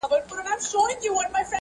o هر څوک د پیښي خپل تفسير وړاندي کوي,